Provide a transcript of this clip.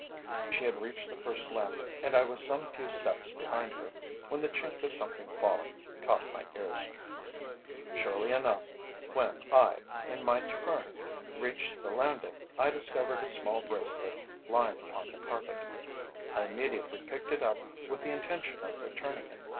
She had reached the first landing, and I was some few steps behind her, when the chink of something falling caught my ears. Surely enough when I, in my turn, reached the landing I discovered a small bracelet lying upon the carpet. I immediately picked it up with the intention of returning it.